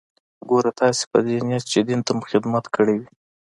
ګوره تاسې په دې نيت چې دين ته مو خدمت کړى وي.